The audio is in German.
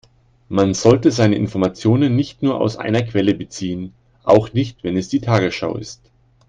Man sollte seine Informationen nicht nur aus einer Quelle beziehen, auch nicht wenn es die Tagesschau ist.